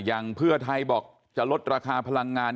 อย่างเพื่อไทยบอกจะลดราคาพลังงาน